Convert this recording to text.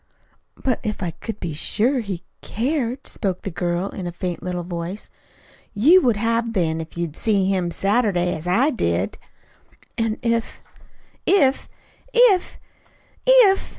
"But if I could be sure he cared," spoke the girl, in a faint little voice. "You would have been, if you'd seen him Saturday, as I did." "And if " "If if if!"